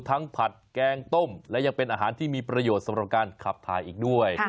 ผัดแกงต้มและยังเป็นอาหารที่มีประโยชน์สำหรับการขับถ่ายอีกด้วย